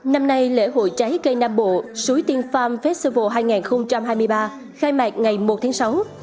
năm nay lễ hội trái cây nam bộ khai mạc ngày một tháng sáu